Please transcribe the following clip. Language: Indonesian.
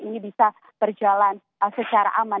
ini bisa berjalan secara aman